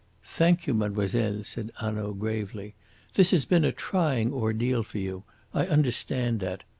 "Thank you, mademoiselle," said Hanaud gravely. "This has been a trying ordeal for you. I understand that.